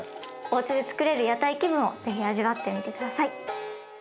おうちでつくれる屋台気分を是非味わってみて下さい。